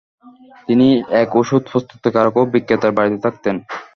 তিনি এক ঔষধ প্রস্তুতকারক ও বিক্রেতার বাড়িতে থাকতেন।